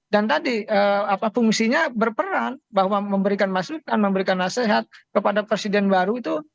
dan tadi fungsinya berperan bahwa memberikan masukan memberikan nasihat kepada presiden baru itu